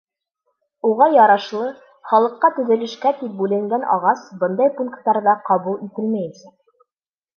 Уға ярашлы, халыҡҡа төҙөлөшкә тип бүленгән ағас бындай пункттарҙа ҡабул ителмәйәсәк.